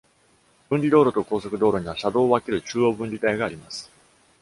分離道路と高速道路には、車道を分ける中央分離帯があります。